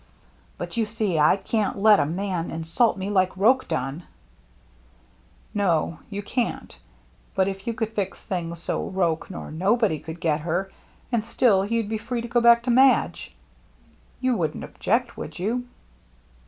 " But don't you see ? I can't let a man insult me like Roche done." "No, you can't But if you could fix 3i6 THE MERRr JSSE thii^ so Roche nor nobody coald get her^ and sdll jroa'd be free to go back to Madge, yoo wouldn't object, would tou